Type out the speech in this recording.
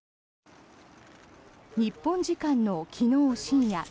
日本時間の昨日深夜。